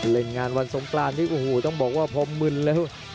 เล่นงานวันสงกรานที่โอ้โหต้องบอกว่าพอมึนแล้ว